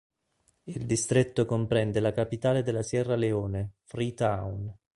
Il distretto comprende la capitale della Sierra Leone: Freetown.